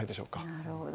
なるほど。